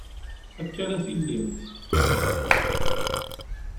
Akka ara tillimt.